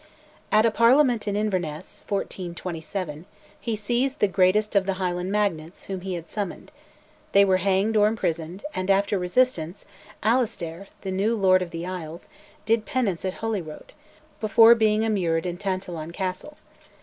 At a Parliament in Inverness (1427) he seized the greatest of the Highland magnates whom he had summoned; they were hanged or imprisoned, and, after resistance, Alastair, the new Lord of the Isles, did penance at Holyrood, before being immured in Tantallon Castle.